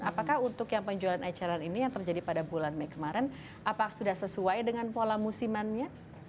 apakah untuk yang penjualan eceran ini yang terjadi pada bulan mei kemarin apa sudah sesuai dengan pola musimannya